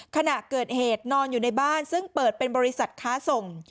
ขณะเกิดเหตุนอนอยู่ในบ้านซึ่งเปิดเป็นบริษัทค้าส่ง